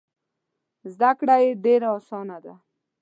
زده کړه یې ډېره اسانه ده.